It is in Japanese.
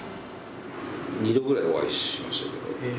二度ぐらいお会いしましたけど。